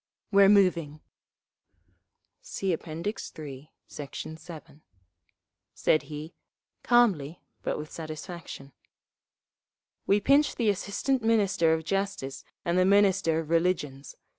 "We're moving!" (See App. III, Sect. 7) said he, calmly but with satisfaction. "We pinched the Assistant Minister of Justice and the Minister of Religions.